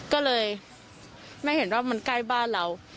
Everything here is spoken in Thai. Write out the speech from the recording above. ก็เลยไม่เห็นว่ามันใกล้บ้านเรา